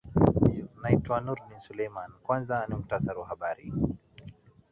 naitwa nurdin seleman kwanza ni mkutsari wa habari